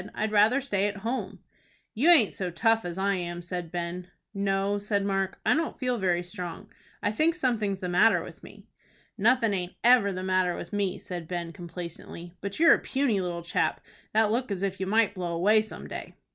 "I'd rather stay at home." "You aint so tough as I am," said Ben. "No," said Mark, "I don't feel very strong. I think something's the matter with me." "Nothin' aint ever the matter with me," said Ben, complacently; "but you're a puny little chap, that look as if you might blow away some day."